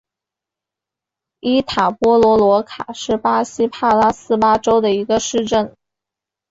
伊塔波罗罗卡是巴西帕拉伊巴州的一个市镇。